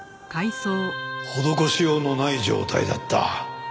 施しようのない状態だった。